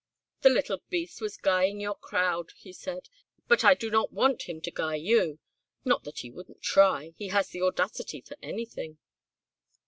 "The little beast was guying your crowd," he said, "but I do not want him to guy you. Not that he wouldn't try. He has the audacity for anything."